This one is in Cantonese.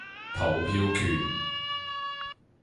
投票權